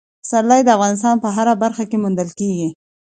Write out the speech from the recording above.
پسرلی د افغانستان په هره برخه کې موندل کېږي.